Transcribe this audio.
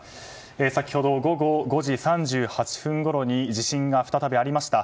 先ほど午後５時３８分ごろに地震が再びありました。